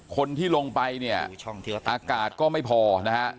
คนที่ลงไปเนี่ยอากาศก็ไม่พอนะฮะ